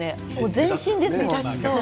全身ですもんね。